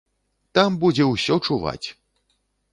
Там будзе ўсё чуваць!